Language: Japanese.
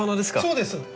そうです。